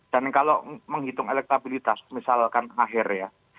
dan kalau menghitung elektabilitas misalkan ahy ya